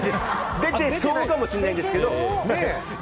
出てそうかもしれないですけど。